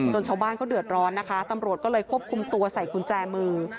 ชาวบ้านเขาเดือดร้อนนะคะตำรวจก็เลยควบคุมตัวใส่กุญแจมือ